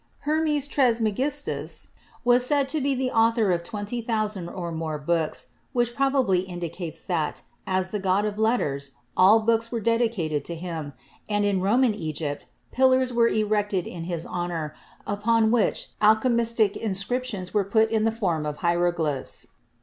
Hermes Trismegistus was said to be the author of twenty thousand or more books, which probably indicates that, as the god of letters, all books were dedicated to him, and in Roman Egypt pillars were erected in his honor, upon which alchemistic inscriptions were put in the form of hieroglyphics.